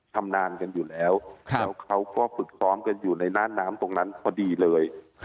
ชำนาญกันอยู่แล้วแล้วเขาก็ฝึกซ้อมกันอยู่ในหน้าน้ำตรงนั้นพอดีเลย